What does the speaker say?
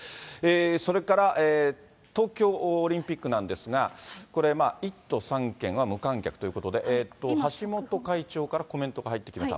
それから東京オリンピックなんですが、これ、１都３県は無観客ということで、橋本会長からコメントが入ってきました。